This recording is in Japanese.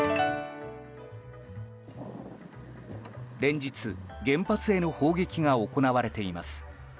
連日、原発への砲撃が行われています。